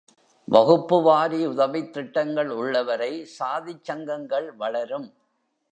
வகுப்பு வாரி உதவித் திட்டங்கள் உள்ள வரை சாதிச் சங்கங்கள் வளரும்.